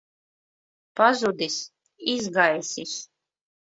Pazudis. Izgaisis.